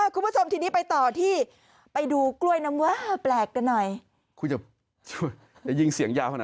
คุณผู้ชมทีนี้ไปต่อที่ไปดูกล้วยน้ำวาแปลกได้หน่อย